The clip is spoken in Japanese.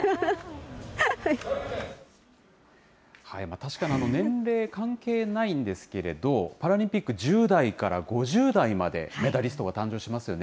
確かに年齢は関係ないんですけど、パラリンピック、１０代から５０代まで、メダリストが誕生しますよね。